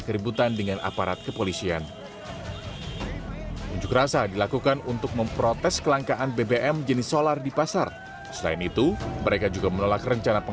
ketika polisi melakukan perang polisi menolak perang